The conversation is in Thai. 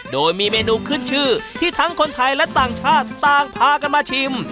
โดยมีเมนูขึ้นชื่อที่ทั้งคนไทยและต่างชาติต่างพากันมาชิม